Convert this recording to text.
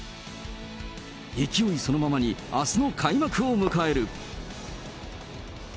勢いそのままに、あすの開幕を迎える。